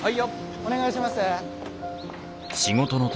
お願いします。